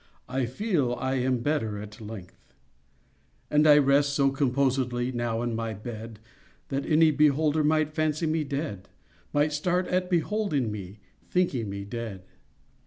—I feel I am better at length. And I rest so composedly, Now, in my bed, That any beholder Might fancy me dead— Might start at beholding me, Thinking me dead.